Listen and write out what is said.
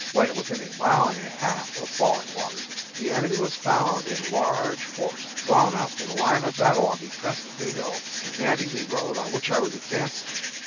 When within a mile and a half of Falling Waters, the enemy was found in large force, drawn up in line of battle on the crest of a hill, commanding the road on which I was advancing.